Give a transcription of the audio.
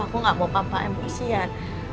aku gak mau papa emosian